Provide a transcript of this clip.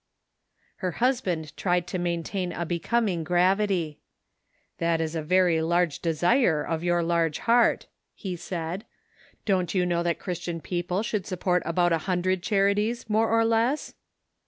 Her husband tried to maintain a becoming gravity. " That is a very large desire of your large heart," he said. " Don't you know that Chris tian people should support about a hundred charities, more or less